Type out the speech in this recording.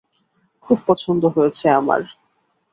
খুব পছন্দ হয়েছে আমার।